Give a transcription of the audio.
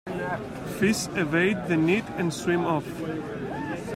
Fish evade the net and swim off.